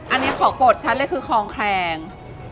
อันนี้ของโฟดฉันเลยคือคลองแครง